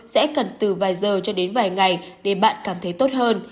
sẽ cần từ vài giờ cho đến vài ngày để bạn cảm thấy tốt hơn